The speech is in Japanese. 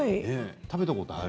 食べたことある？